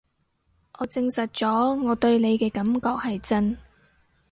我證實咗我對你嘅感覺係真